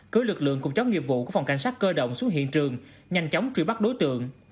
cưới lực lượng cùng chóng nghiệp vụ của phòng cảnh sát cơ động xuống hiện trường nhanh chóng truy bắt đối tượng